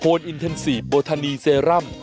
อินเทนซีฟโบทานีเซรั่ม